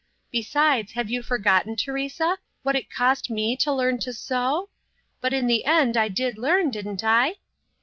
Besides, have you forgotten, Teresa, what it cost me to learn to sew? But in the end I did learn; didn't I?"